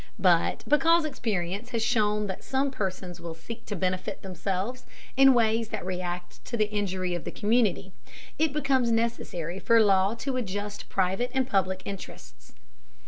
But because experience has shown that some persons will seek to benefit themselves in ways that react to the injury of the community, it becomes necessary for law to adjust private and public interests.